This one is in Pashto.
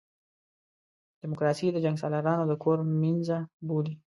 ډیموکراسي د جنګسالارانو د کور مېنځه بولي.